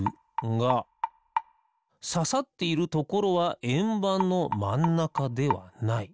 がささっているところはえんばんのまんなかではない。